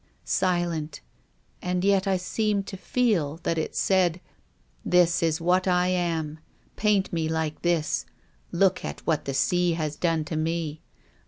Silent — and yet I seemed to feel that it said, ' This is what I am. Paint mc like this. Look at what the sea has done to me